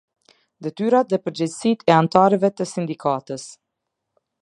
Detyrat dhe përgjegjësitë e anëtarëve të sindikatës.